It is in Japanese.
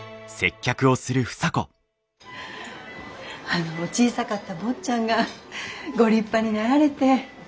あの小さかった坊ちゃんがご立派になられて。